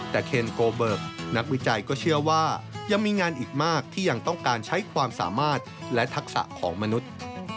แต่เคนโกเบิกนักวิจัยก็เชื่อว่ายังมีงานอีกมากที่ยังต้องการใช้ความสามารถและทักษะของมนุษย์